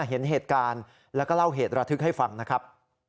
เห็นเหตุการณ์แล้วก็เล่าเหตุระทึกให้ฟังนะครับ